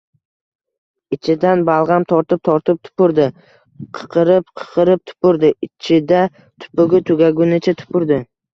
Ichidan balg‘am tortib-tortib tupurdi. Qaqirib-qaqirib tupurdi. Ichida tupugi tugagunicha tupurdi.